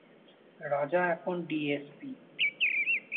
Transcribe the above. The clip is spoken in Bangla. রাজা এখন ডিএসপি।